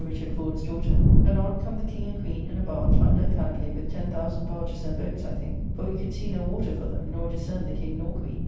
Richard Ford's daughter. Anon come the King and Queen in a barge under a canopy with 10,000 barges and boats, I think, for we could see no water for them, nor discern the King nor Queen.